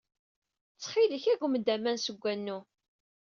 Ttxil-k, agem-d aman seg wanu.